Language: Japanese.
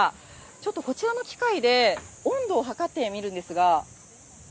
ちょっとこちらの機械で温度を測ってみるんですが。